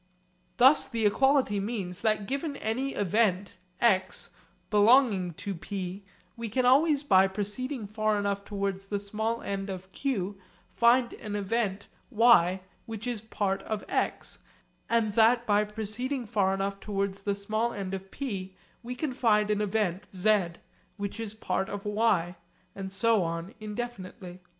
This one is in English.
Thus the equality means, that given any event x belonging to p, we can always by proceeding far enough towards the small end of q find an event y which is part of x, and that then by proceeding far enough towards the small end of p we can find an event z which is part of y, and so on indefinitely.